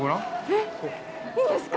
えっ、いいんですか？